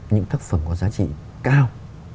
những tác phẩm có giá trị cao